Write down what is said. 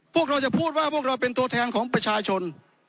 พวกเราจะพูดว่าพวกเราเป็นตัวแทนของประชาชน